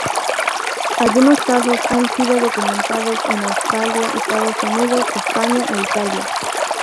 Algunos casos han sido documentados en Australia, Estados Unidos, España e Italia.